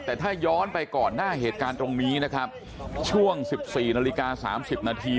แต่ถ้าย้อนไปก่อนหน้าเหตุการณ์ตรงนี้นะครับช่วง๑๔นาฬิกา๓๐นาที